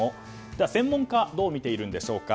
では専門家どう見ているんでしょうか。